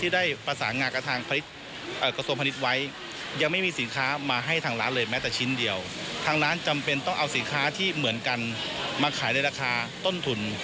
ดังนั้นจำเป็นต้องเอาสิทธิ์ค้าที่เหมือนกันมาขายด้วยราคาต้นทุน